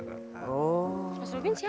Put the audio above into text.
ini mas robin ya